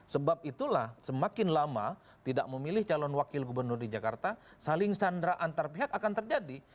sebab itulah semakin lama tidak memilih calon wakil gubernur di jakarta saling sandra antar pihak akan terjadi